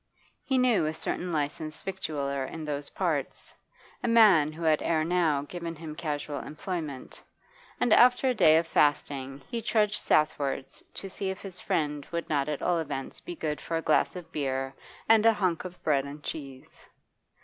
He knew a certain licensed victualler in those parts, a man who had ere now given him casual employment, and after a day of fasting he trudged southwards to see if his friend would not at all events be good for a glass of beer and a hunch of bread and cheese.